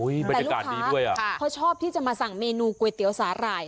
โอ้ยบรรยากาศดีด้วย่ะค่ะเค้าชอบที่จะมาสั่งเมนูก๋วยเตี๋ยวสาหร่าย